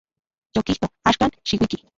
Yokijto; axkan, xiuiki.